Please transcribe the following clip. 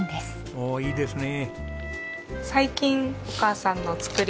おおいいですね。